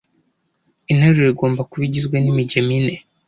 interuro igomba kuba igizwe nimigemo ine